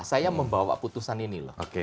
saya membawa putusan ini loh